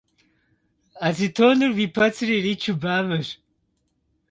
Ацетоныр уи пэцыр иричу бамэщ.